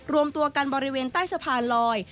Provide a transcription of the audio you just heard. รวมตัวกันบริเวณใต้สะพานลอย